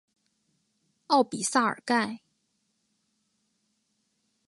奥比萨尔盖。